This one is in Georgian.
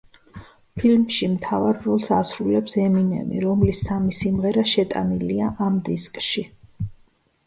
ფილმში მთავარ როლს ასრულებს ემინემი, რომლის სამი სიმღერა შეტანილია ამ დისკში.